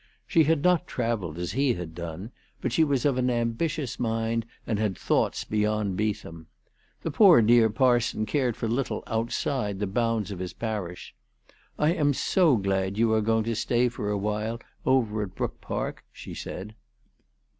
She had not travelled as he had done, but she was of an ambitious mind and had thoughts beyond Beetham. The poor dear parson cared for little outside the bounds of his parish. " I am so glad you are going to stay for awhile over at Brook Park," she said.